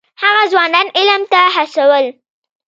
هغه ځوانان علم ته هڅول.